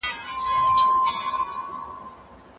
هره ورځ اوبه څښل بدن ته ډيرې ګټې رسوي.